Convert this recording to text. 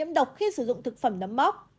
nhậm độc khi sử dụng thực phẩm nấm móc